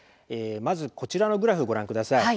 まずこちらのグラフご覧ください。